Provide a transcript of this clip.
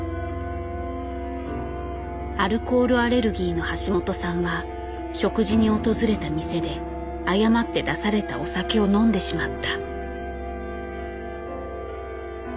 アルコールアレルギーの橋本さんは食事に訪れた店で誤って出されたお酒を飲んでしまった。